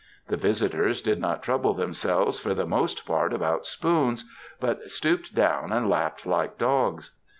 The visitors did not trouble themselves for the most !part about spoons, but stooped down and lapped like dogs.